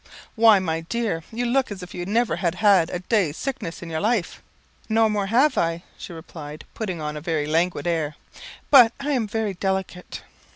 "Why, my dear, you look as if you never had had a day's sickness in your life." "No more I have," she replied, putting on a very languid air, "but I am very delicate."